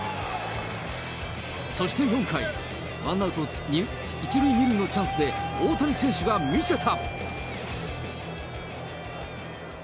そして４回、ワンアウト１塁２塁のチャンスで大谷選手が見せた。